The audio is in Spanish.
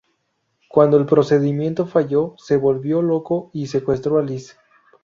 Cuando el procedimiento falló, se volvió loco y secuestró a Liz.